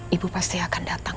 di batas geraguan